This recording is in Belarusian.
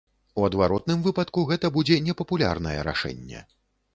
У адваротным выпадку, гэта будзе непапулярнае рашэнне.